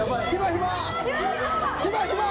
ひまひま！